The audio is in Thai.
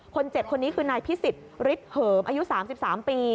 คน๗คนนี้คือนายพิศิษฐ์ฤิษฐ์เหิมอายุ๓๓ปี